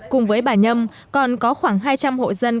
cùng với bà nhâm còn có khoảng hai trăm linh hộ dân